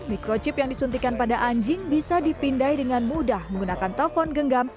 microchip yang disuntikan pada anjing bisa dipindai dengan mudah menggunakan telepon genggam